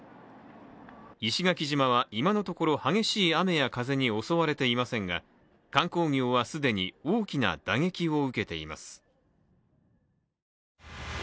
石垣島は今のところ激しい雨や風に襲われていませんが観光業は、既に大きな打撃を受けています。